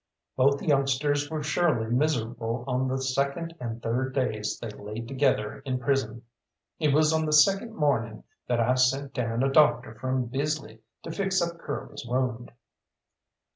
Both youngsters were surely miserable on the second and third days they lay together in prison. It was on the second morning that I sent down a doctor from Bisley to fix up Curly's wound.